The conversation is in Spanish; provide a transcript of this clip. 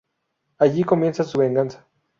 Allí comienza su venganza.